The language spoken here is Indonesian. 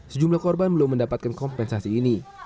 sejumlah korban belum mendapatkan kompensasi ini